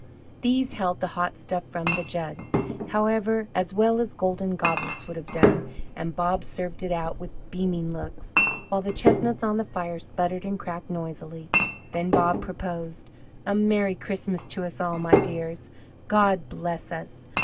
These held the hot stuff from the jug, however, as well as golden goblets would have done; and Bob served it out with beaming looks, while the chestnuts on the fire sputtered and cracked noisily. Then Bob proposed: "A Merry Christmas to us all, my dears. God bless us!"